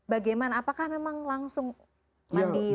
bagaimana apakah memang langsung mandi wajib